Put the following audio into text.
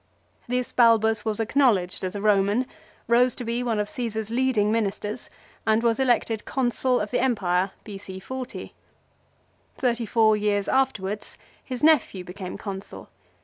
1 This Balbus was acknowledged as a Roman, rose to be one of Caesar's leading ministers and was elected Consul of the Empire B.C. 40. Thirty four years afterwards his nephew became Consul.